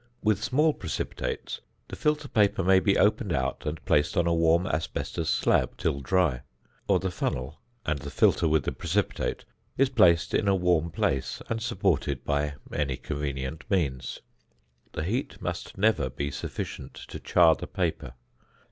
With small precipitates the filter paper may be opened out, and placed on a warm asbestos slab till dry; or the funnel and the filter with the precipitate is placed in a warm place, and supported by any convenient means. The heat must never be sufficient to char the paper.